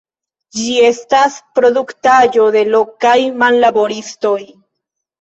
Ĝi estas produktaĵo de lokaj manlaboristoj.